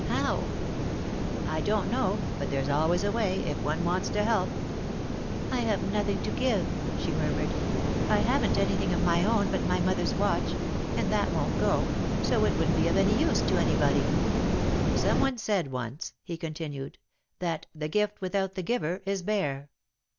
"How?" "I don't know, but there's always a way, if one wants to help." "I have nothing to give," she murmured. "I haven't anything of my own but my mother's watch, and that won't go, so it wouldn't be of any use to anybody." "Someone said once," he continued, "that 'the gift without the giver is bare.'